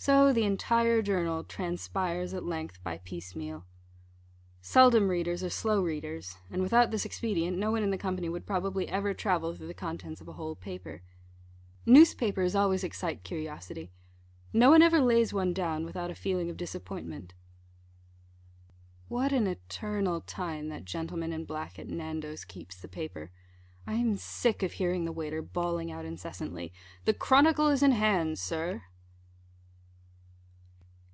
So the entire journal transpires at length by piece meal. Seldom readers are slow readers, and, without this expedient no one in the company would probably ever travel through the contents of a whole paper. Newspapers always excite curiosity. No one ever lays one down without a feeling of disappointment. What an eternal time that gentleman in black, at Nando's, keeps the paper! I am sick of hearing the waiter bawling out incessantly, "the Chronicle is in hand, Sir."